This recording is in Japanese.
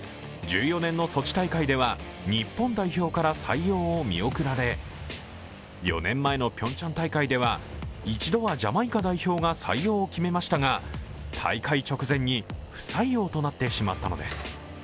１４年のソチ大会では日本代表から採用を見送られ４年前のピョンチャン大会では一度はジャマイカ代表が採用を決めましたが、大会直前に不採用となってしまったのです。